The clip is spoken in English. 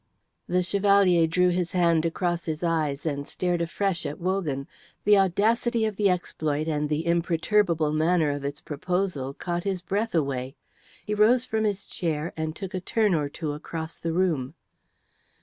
The Chevalier drew his hand across his eyes and stared afresh at Wogan. The audacity of the exploit and the imperturbable manner of its proposal caught his breath away. He rose from his chair and took a turn or two across the room.